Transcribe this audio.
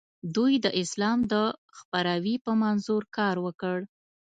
دوی د اسلام د خپراوي په منظور کار وکړ.